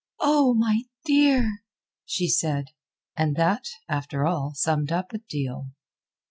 "Oh, my dear!" she said, and that, after all, summed up a deal.